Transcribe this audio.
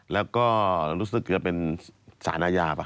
แล้วก็รู้สึกจะเป็นสารอาญาป่ะ